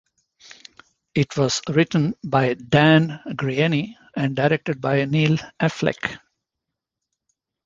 It was written by Dan Greaney and directed by Neil Affleck.